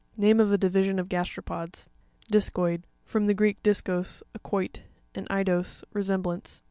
Name ofa division of gasteropods (page 62). Di'scoip.—F rom the Greek, diskos, a quoit, and eidos, resemblance.